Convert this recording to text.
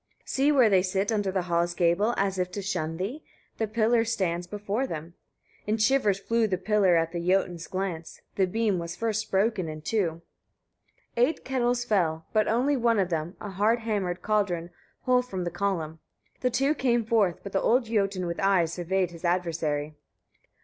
12. See where they sit under the hall's gable, as if to shun thee: the pillar stands before them." In shivers flew the pillar at the Jotun's glance; the beam was first broken in two. 13. Eight kettles fell, but only one of them, a hard hammered cauldron, whole from the column. The two came forth, but the old Jotun with eyes surveyed his adversary.